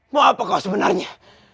mau apa kau sebenarnya